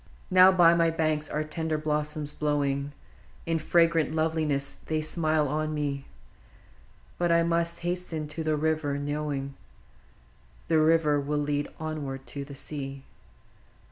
Now by my banks are tender blossoms blowing : In fragrant loveliness they smile on me, — But I must hasten to the river, knowing The river leadeth ever to the sea.